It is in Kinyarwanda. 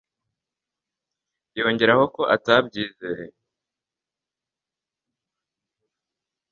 yongeyeho ko atabyizeye